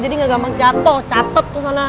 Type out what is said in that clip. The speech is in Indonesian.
jadi gak gampang jatuh catet kesana